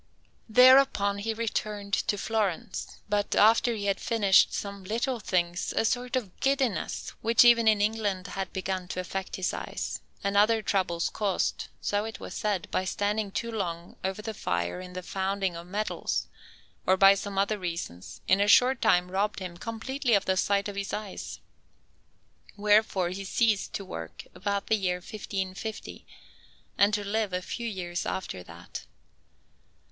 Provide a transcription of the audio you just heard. Thereupon he returned to Florence; but, after he had finished some little things, a sort of giddiness, which even in England had begun to affect his eyes, and other troubles caused, so it was said, by standing too long over the fire in the founding of metals, or by some other reasons, in a short time robbed him completely of the sight of his eyes; wherefore he ceased to work about the year 1550, and to live a few years after that.